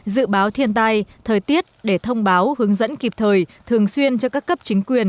dự báo thiên tai thời tiết để thông báo hướng dẫn kịp thời thường xuyên cho các cấp chính quyền